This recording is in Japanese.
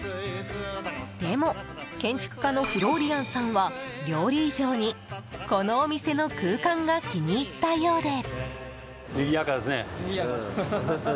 でも、建築家のフローリアンさんは料理以上に、このお店の空間が気に入ったようで。